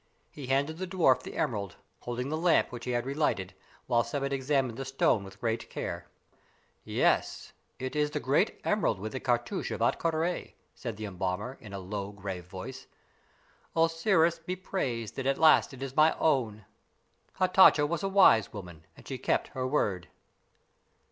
He handed the dwarf the emerald, holding the lamp, which he had relighted, while Sebbet examined the stone with great care. "Yes; it is the great emerald with the cartouche of Ahtka Rā," said the embalmer, in a low, grave voice. "Osiris be praised that at last it is my own! Hatatcha was a wise woman, and she kept her word."